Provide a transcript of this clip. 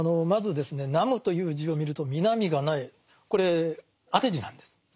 まずですね「南無」という字を見ると「南」が無いこれ当て字なんです。